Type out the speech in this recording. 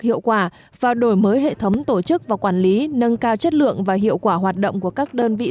hiệu quả và đổi mới hệ thống tổ chức và quản lý nâng cao chất lượng và hiệu quả hoạt động của các đơn vị